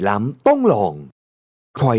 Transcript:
แบบนี้ก็ได้